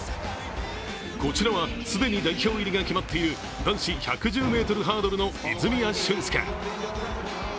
こちらは既に代表入りが決まっている男子１１０ｍハードルの泉谷駿介。